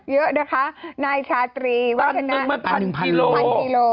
เยอะนะคะนายชาตรีว่าที่นั่น๑๐๐๐กิโล